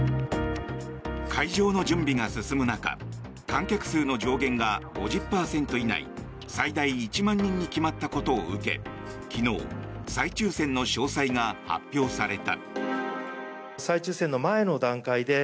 会場の準備が進む中観客数の上限が５０％以内、最大１万人に決まったことを受け昨日、再抽選の詳細が発表された。